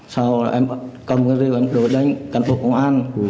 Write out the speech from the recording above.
sau em cầm cái rượu em đổi đến cán bộ công an